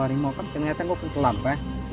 hari mau kan ternyata gue pun telam kan